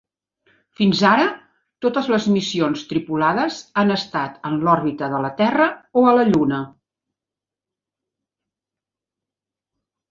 Fins ara, totes les missions tripulades han estat en l'òrbita de la Terra o a la Lluna.